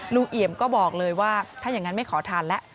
เอี่ยมก็บอกเลยว่าถ้าอย่างนั้นไม่ขอทานแล้ว